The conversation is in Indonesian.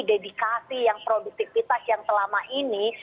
dedikasi yang produktivitas yang selama ini